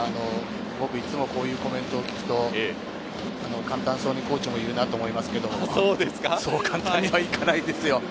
僕、いつもこういうコメントを聞くと、簡単そうにコーチは言うなと思いますけれど、そう簡単にはいかないですよ。